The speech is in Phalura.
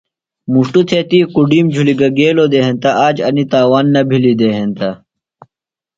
مُݜٹوۡ تھےۡ تی کۡڈِیم جُھلیۡ گہ گیلوۡ دےۡ ہینتہ آج انیۡ تاوان نہ بِھلیۡ دےۡ ہینتہ۔